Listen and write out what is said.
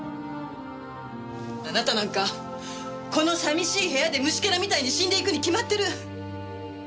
あなたなんかこの寂しい部屋で虫けらみたいに死んでいくに決まってる。